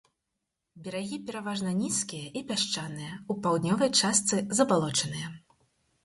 Берагі пераважна нізкія і пясчаныя, у паўднёвай частцы забалочаныя.